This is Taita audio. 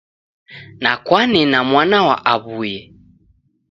Nakwane na mwana wa awuyo